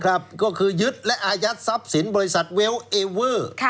ก็คือยึดและอายัดทรัพย์สินบริษัทเวลต์เอเวอร์